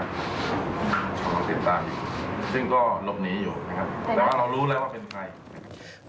ติดตามอยู่ซึ่งก็หลบหนีอยู่แต่ว่าเรารู้แล้วว่าเป็นใคร